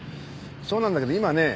そうなんだけど今ね